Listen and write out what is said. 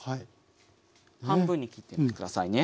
半分に切って下さいね。